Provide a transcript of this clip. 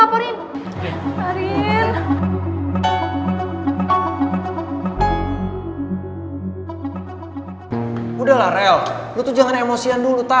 abel abel aja gue masih juga